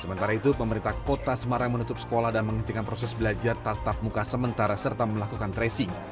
sementara itu pemerintah kota semarang menutup sekolah dan menghentikan proses belajar tatap muka sementara serta melakukan tracing